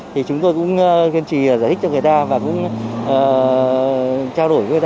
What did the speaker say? thì chúng tôi cũng kiên trì giải thích cho người ta và cũng trao đổi với người ta